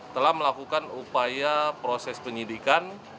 telah melakukan upaya proses penyidikan